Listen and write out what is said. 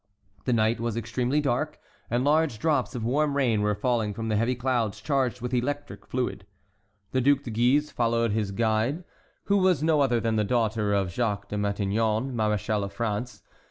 The night was extremely dark, and large drops of warm rain were falling from the heavy clouds charged with electric fluid. The Duc de Guise followed his guide, who was no other than the daughter of Jacques de Matignon, maréchal of France.